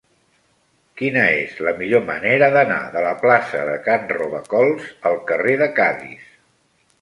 Quina és la millor manera d'anar de la plaça de Can Robacols al carrer de Cadis?